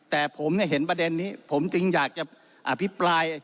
แต่ผมเห็นประเด็นนี้ผมจึงอยากจะอภิปราย